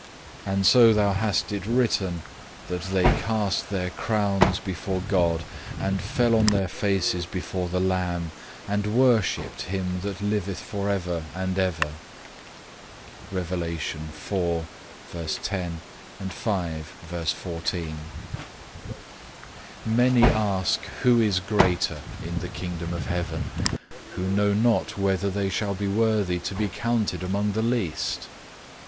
And so thou hast it written that they cast their crowns before God and fell on their faces before the Lamb, and worshipped Him that liveth for ever and ever.(7) 9. "Many ask who is greatest in the Kingdom of Heaven, who know not whether they shall be worthy to be counted among the least.